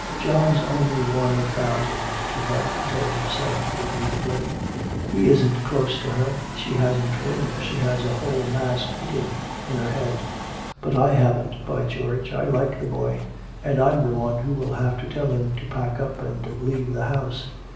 "John's only one of thousands to her," he told himself aggrievedly. "He isn't close to her, she hasn't room, she has a whole mass meeting in her head. But I haven't, by George, I like the boy and I'm the one who will have to tell him to pack up and leave the house!